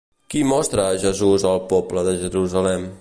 Qui mostra a Jesús al poble de Jerusalem?